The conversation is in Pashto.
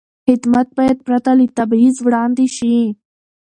خدمت باید پرته له تبعیض وړاندې شي.